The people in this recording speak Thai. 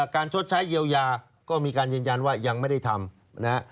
การชดใช้เยียวยาก็มีการจริงว่ายังไม่ได้ทำ